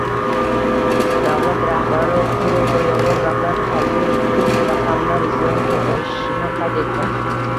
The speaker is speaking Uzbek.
Davlat rahbari quruq va yolg‘on gaplar, tagi puch raqamlar ziyon keltirishini qayd etgan